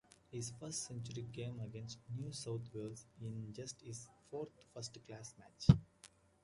His first century came against New South Wales in just his fourth first-class match.